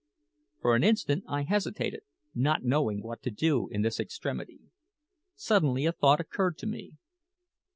For an instant I hesitated, not knowing what to do in this extremity. Suddenly a thought occurred to me.